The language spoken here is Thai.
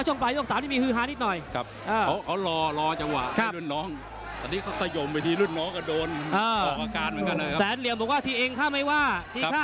ต้องลำตัวแบบนี้ยังอะไรล่ะ